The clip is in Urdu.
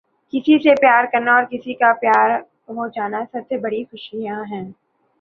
کسی سے پیار کرنا اور کسی کا پیار ہو جانا سب سے بڑی خوشیاں ہیں۔